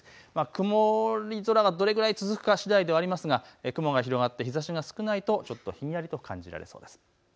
曇り空がどれくらい続くかしだいではありますが雲が広がって日ざしが少ないとちょっとひんやりと感じられそうです。